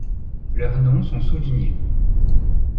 Leurs noms sont soulignés.